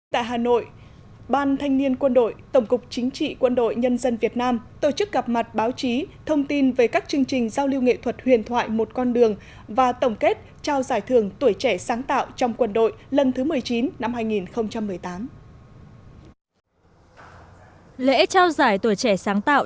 tại hà nội ban thanh niên quân đội tổng cục chính trị quân đội nhân dân việt nam tổ chức gặp mặt báo chí thông tin về các chương trình giao lưu nghệ thuật huyền thoại một con đường và tổng kết trao giải thưởng tuổi trẻ sáng tạo trong quân đội lần thứ một mươi chín năm hai nghìn một mươi tám